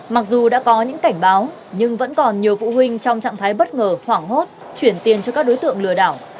mặc dù đã có những cảnh báo nhưng vẫn còn nhiều phụ huynh trong trạng thái bất ngờ hoảng hốt chuyển tiền cho các đối tượng lừa đảo